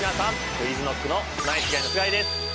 ＱｕｉｚＫｎｏｃｋのナイスガイの須貝です。